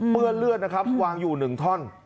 เปื้อนเลือดนะครับวางอยู่หนึ่งท่อน